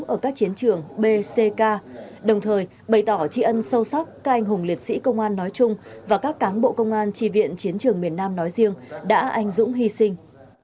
ở các chiến trường b ck đồng thời bày tỏ tri ân sâu sắc các anh hùng liệt sĩ công an nói chung và các cán bộ công an tri viện chiến trường miền nam nói riêng đã anh dũng hy sinh